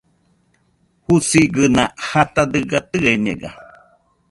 Jusigɨna jata dɨga tɨeñega